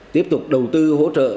tiếp tục đầu tư hỗ trợ